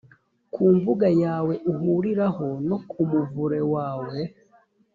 ku mbuga yawe uhuriraho no ku muvure wawe